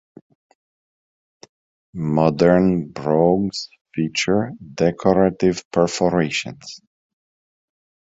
Modern brogues feature decorative perforations.